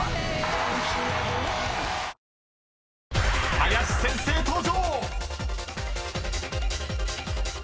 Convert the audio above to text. ［林先生登場！］